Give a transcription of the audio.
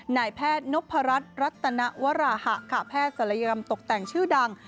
นายแพทย์นพรัชรัตนวราหะค่ะแพทย์ศัลยกรรมตกแต่งชื่อดัง